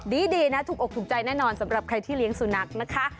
ดีนะถูกอกถูกใจแน่นอนสำหรับใครที่เลี้ยงสุนัขนะคะ